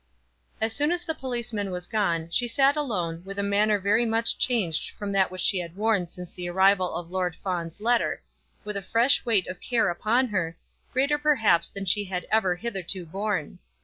As soon as the policeman was gone, she sat alone, with a manner very much changed from that which she had worn since the arrival of Lord Fawn's letter, with a fresh weight of care upon her, greater perhaps than she had ever hitherto borne.